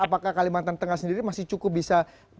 apakah kalimantan tengah sendiri masih cukup bisa